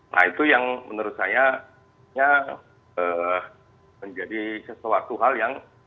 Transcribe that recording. nah itu yang menurut saya menjadi sesuatu hal yang